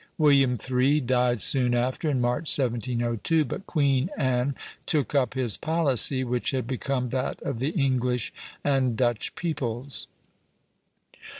William III. died soon after, in March, 1702; but Queen Anne took up his policy, which had become that of the English and Dutch peoples.